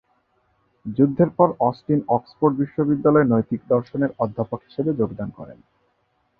যুদ্ধের পর Austin Oxford বিশ্ববিদ্যালয়ে নৈতিক দর্শনের অধ্যাপক হিসেবে যোগদান করেন।